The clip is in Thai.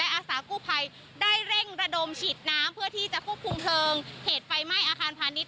อาสากู้ภัยได้เร่งระดมฉีดน้ำเพื่อที่จะควบคุมเพลิงเหตุไฟไหม้อาคารพาณิช